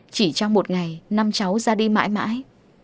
chỉ trong một ngày năm cháu ra đi mãi mãi